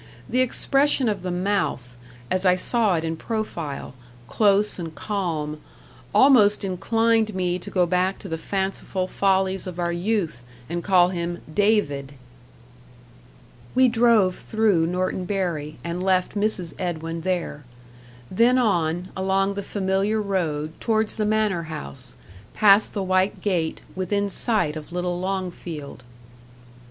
The expression of the mouth, as I saw it in profile close and calm almost inclined me to go back to the fanciful follies of our youth, and call him "David." We drove through Norton Bury, and left Mrs. Edwin there. Then on, along the familiar road, towards the manor house; past the white gate, within sight of little Longfield.